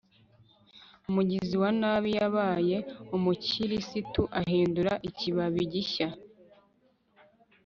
umugizi wa nabi yabaye umukirisitu ahindura ikibabi gishya